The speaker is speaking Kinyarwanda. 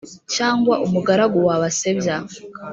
cyangwa umugaragu wa basebya